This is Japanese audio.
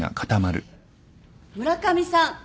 村上さん。